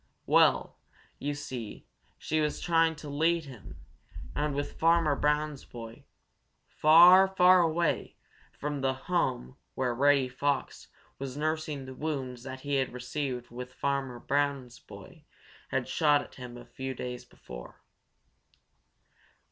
Well, you see, she was trying to lead him, and with him Farmer Brown's boy, far, far away from the home where Reddy Fox was nursing the wounds that he had received when Farmer Brown's boy had shot at him a few days before.